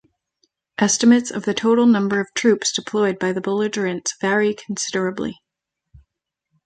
Estimates of the total number of troops deployed by the belligerents vary considerably.